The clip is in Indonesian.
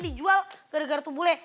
dijual gara gara tuh bule